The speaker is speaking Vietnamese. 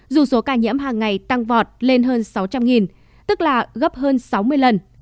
dù số ca nhiễm hàng ngày tăng vọt lên hơn sáu trăm linh tức là gấp hơn sáu mươi lần